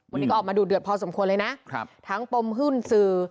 วันนี้ก็ออกมาดูเดือดพอสมควรเลยนะครับทั้งปมหุ้นสื่อ